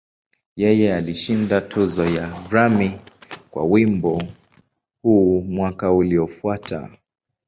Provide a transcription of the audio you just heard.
Yeye alishinda tuzo ya Grammy kwa wimbo huu mwaka uliofuata.